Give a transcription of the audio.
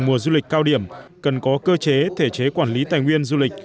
mùa du lịch cao điểm cần có cơ chế thể chế quản lý tài nguyên du lịch